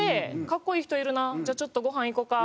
格好いい人いるなじゃあちょっとごはん行こうか。